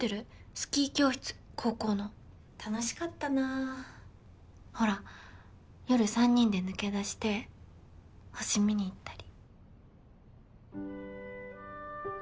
スキー教室高校の楽しかったなほら夜３人で抜け出して星見にいったり。